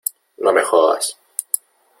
¡ no me jodas !